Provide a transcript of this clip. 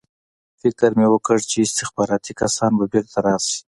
فکر مې وکړ چې استخباراتي کسان به بېرته راشي